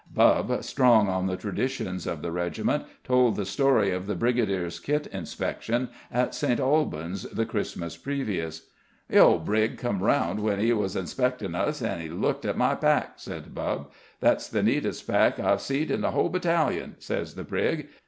Bubb, strong on the traditions of the regiment, told the story of the Brigadier's kit inspection at St. Albans the Christmas previous. "The 'ole Brig come round when 'e was inspectin' us, and 'e looked at my pack," said Bubb. "'That's the neatest pack I've seed in the 'ole battalion,' says the Brig.